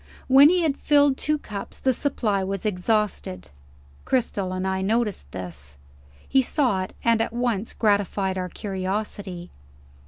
When he had filled two cups, the supply was exhausted. Cristel and I noticed this. He saw it, and at once gratified our curiosity.